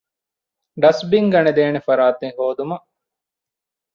ޑަސްބިން ގަނެދޭނެ ފަރާތެއް ހޯދުމަށް